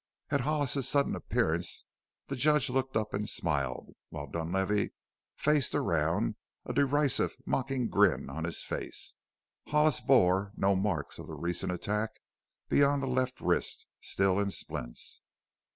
At Hollis's sudden appearance the Judge looked up and smiled, while Dunlavey faced around, a derisive, mocking grin on his face. Hollis bore no marks of the recent attack beyond the left wrist, still in splints.